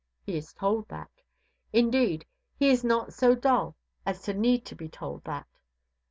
He is told that. Indeed, he is not so dull as to need to be told that.